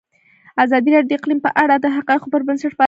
ازادي راډیو د اقلیم په اړه د حقایقو پر بنسټ راپور خپور کړی.